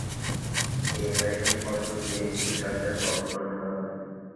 এই একাডেমির অর্থ দিয়ে একটি ট্রাস্টের কর্পস গঠন করা হবে।